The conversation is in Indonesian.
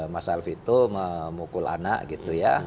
mas alvi itu memukul anak gitu ya